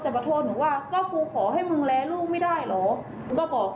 ให้หนูกลับไปอยู่กับเขาค่ะ